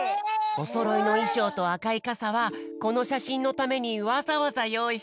おそろいのいしょうとあかいかさはこのしゃしんのためにわざわざよういしたんだって。